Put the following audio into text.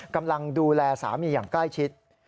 กำลังดูแลสามีอย่างใกล้ชิด